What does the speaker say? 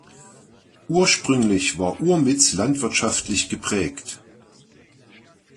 Ursprünglich war Urmitz landwirtschaftlich geprägt.